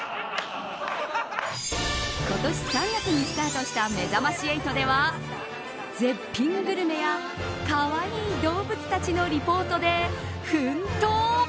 今年３月にスタートしためざまし８では絶品グルメやかわいい動物たちのリポートで奮闘。